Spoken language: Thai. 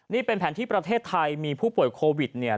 นี่เป็นแผนที่ประเทศไทยมีผู้ป่วยโควิดเนี่ย